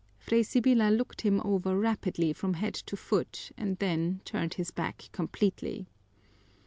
Fray Sibyla looked him over rapidly from head to foot and then turned his back completely.